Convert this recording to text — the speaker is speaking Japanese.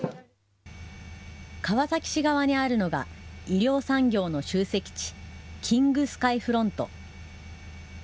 川崎市側にあるのが医療産業の集積地、キングスカイフロント。